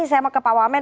saya mau ke pak wamen